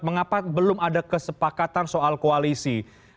mengapa belum ada kesepakatan soal koalisi